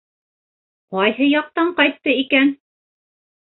— Ҡайһы яҡтан ҡайтты икән?